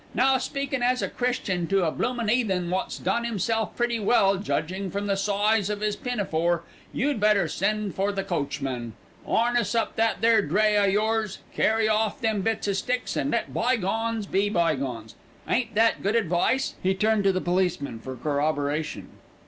Now, speakin' as a Christian to a bloomin' 'eathen wot's done 'imself pretty well, judgin' from the size of 'is pinafore, you'd better send for the coachman, 'arness up that there dray o' yours, carry orf them bits o' sticks an' let bygones be bygones. Ain't that good advice?" He turned to the policeman for corroboration.